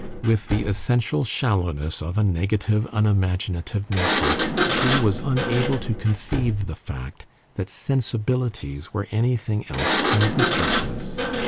With the essential shallowness of a negative, unimaginative nature, she was unable to conceive the fact that sensibilities were anything else than weaknesses.